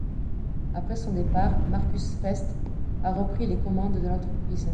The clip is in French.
Après son départ, Markus Fest a repris les commandes de l'entreprise.